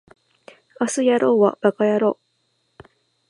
明日やろうはバカやろう